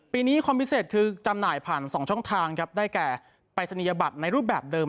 ปีนี้คอมพิเศษคือจำหน่ายผ่าน๒ช่องทางครับได้แก่ปรายศนียบัตรในรูปแบบเดิม